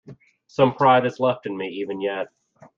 Some pride is left in me even yet.